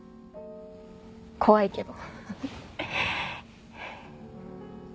怖いけど。